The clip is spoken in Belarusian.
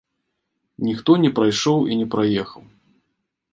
Ніхто не прайшоў і не праехаў.